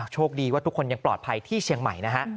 โชคดีว่าทุกคนยังปลอดภัยที่เชียงใหม่นะฮะ